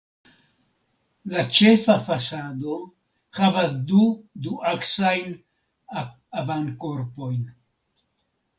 La ĉefa fasado havas du duaksajn avankorpojn.